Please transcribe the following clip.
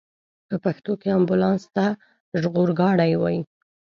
په پښتو کې امبولانس ته ژغورګاډی وايي.